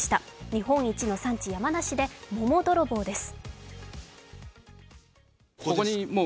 日本一の産地、山梨で桃泥棒です。